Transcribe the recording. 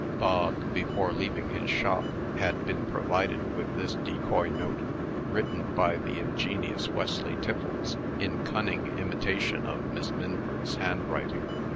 Bog, before leaving his shop, had been provided with this decoy note, written by the ingenious Wesley Tiffles in cunning imitation of Miss Minford's handwriting.